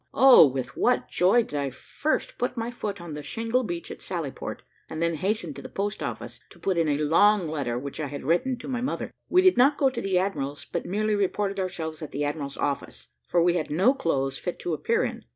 Oh! with what joy did I first put my foot on the shingle beach at Sally Port, and then hasten to the post office to put in a long letter which I had written to my mother! We did not go to the admiral's but merely reported ourselves at the admiral's office; for we had no clothes fit to appear in.